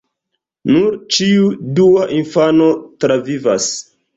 Nur ĉiu dua infano travivas.